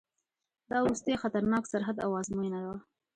دا وروستی خطرناک سرحد او آزموینه وه.